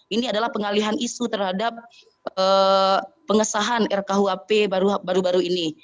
ini adalah pengalihan isu terhadap pengesahan rkuhp baru baru ini